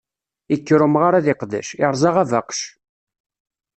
Ikker umɣar ad iqdec, iṛẓa abaqec.